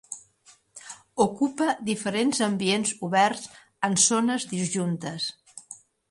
Ocupa diferents ambients oberts en zones disjuntes.